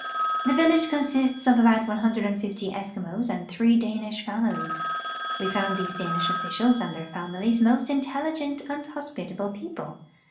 The village consists of about 150 Eskimos and three Danish families. We found these Danish oHicials and their families most intelligent and hospitable people.